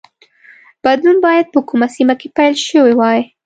بدلون باید په کومه سیمه کې پیل شوی وای.